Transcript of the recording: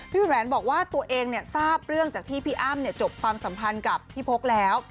แหวนบอกว่าตัวเองทราบเรื่องจากที่พี่อ้ำจบความสัมพันธ์กับพี่พกแล้ว